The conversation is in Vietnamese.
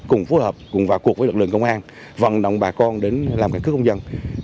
cùng phối hợp cùng vào cuộc với lực lượng công an vận động bà con đến làm căn cước công dân